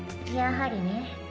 やはりね。